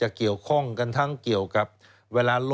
สวัสดีครับคุณผู้ชมค่ะต้อนรับเข้าที่วิทยาลัยศาสตร์